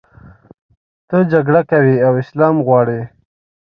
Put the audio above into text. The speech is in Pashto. ته جګړه کوې او اسلام غواړې.